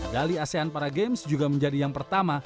dali asean para games juga menjadi yang pertama